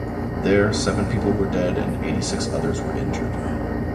There, seven people were dead and eighty-six others were injured.